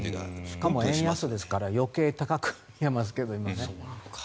しかも円安ですから余計高く見えますけどね。